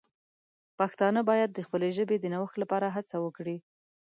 پښتانه باید د خپلې ژبې د نوښت لپاره هڅه وکړي.